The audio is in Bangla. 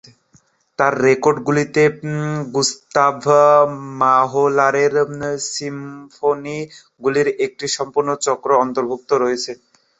তাঁর রেকর্ডগুলিতে গুস্তাভ মাহলারের সিম্ফনিগুলির একটি সম্পূর্ণ চক্র অন্তর্ভুক্ত রয়েছে।